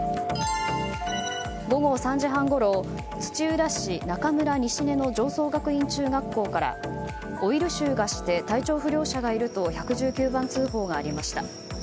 午後３時半ごろ土浦市中村西根の常総学院中学校からオイル臭がして体調不良者がいると１１９番通報がありました。